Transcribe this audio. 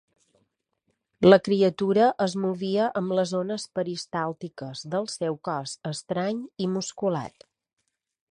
La criatura es movia amb les ones peristàltiques del seu cos estrany i musculat.